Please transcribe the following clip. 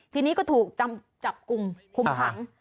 ทีนี้ก็ถูกจับกลุ่มคุมขัง